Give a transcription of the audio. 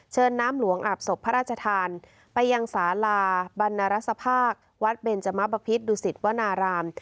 น้ำหลวงอาบศพพระราชทานไปยังสาลาบรรณรสภาควัดเบนจมบพิษดุสิตวนาราม